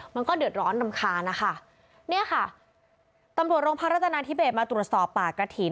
มันก็เดือดร้อนรำคาญนะคะเนี่ยค่ะตำรวจโรงพักรัฐนาธิเบสมาตรวจสอบป่ากระถิ่น